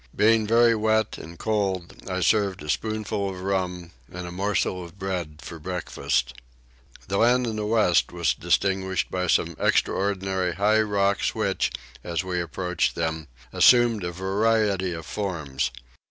Being very wet and cold I served a spoonful of rum and a morsel of bread for breakfast. The land in the west was distinguished by some extraordinary high rocks which, as we approached them, assumed a variety of forms.